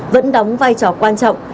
vẫn đóng vai trò quan trọng